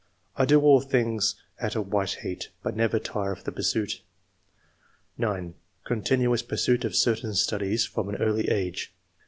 I do all things at a white heat, but never tire of the pursuit." 9. " Continuous pursuit of certain studies from an early age."